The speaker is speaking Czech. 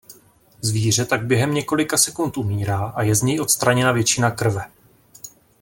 Zvíře tak během několika sekund umírá a je z něj odstraněna většina krve.